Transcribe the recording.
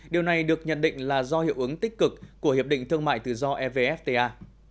điều này được nhận định là do hiệu ứng tích cực của hiệp định thương mại tự do evfta